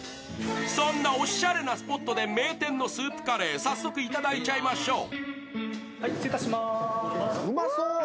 そんなおしゃれなスポットで名店のスープカレー、いただいちゃいましょう。